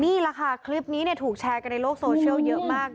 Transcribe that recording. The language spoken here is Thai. นี่แหละค่ะคลิปนี้ถูกแชร์กันในโลกโซเชียลเยอะมาก